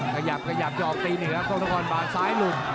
ขยับจะออกตีนิดแล้วครับทุกคนซ้ายหลุด